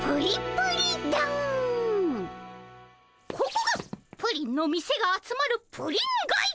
ここがプリンの店が集まるプリンがい。